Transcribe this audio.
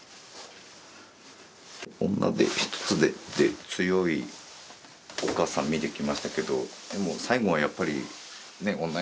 女手一つでって強いお母さん見てきましたけどでも最後はやっぱりね女